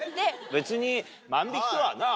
別に万引きとはなぁ。